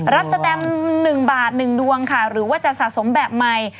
สแตม๑บาท๑ดวงค่ะหรือว่าจะสะสมแบบใหม่